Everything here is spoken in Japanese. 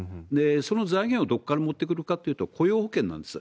その財源をどこから持ってくるかというと、雇用保険なんです。